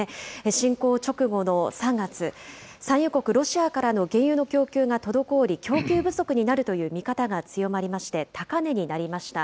侵攻直後の３月、産油国、ロシアからの原油の供給が滞り、供給不足になるという見方が強まりまして、高値になりました。